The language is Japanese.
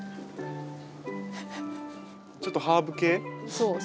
ちょっとハーブ系？